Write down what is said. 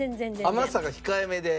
甘さが控えめで？